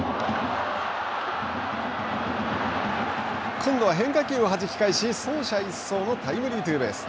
今度は変化球をはじき返し走者一掃のタイムリーツーベース。